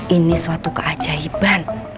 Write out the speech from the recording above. ini suatu keajaiban